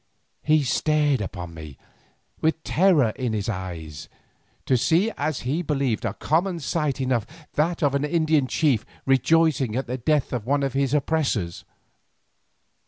He stared upon me, with terror in his eye, to see as he believed a common sight enough, that of an Indian chief rejoicing at the death of one of his oppressors.